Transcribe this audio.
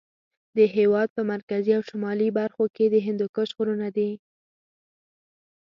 د هېواد په مرکزي او شمالي برخو کې د هندوکش غرونه دي.